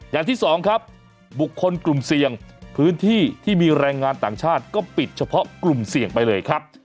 อย่างที่สองครับบุคคลกลุ่มเสี่ยงพื้นที่ที่มีแรงงานต่างชาติก็ปิดเฉพาะกลุ่มเสี่ยงไปเลยครับ